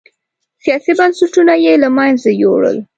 سیاسي بنسټونه یې له منځه یووړل.